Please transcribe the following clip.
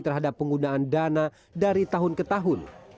terhadap penggunaan dana dari tahun ke tahun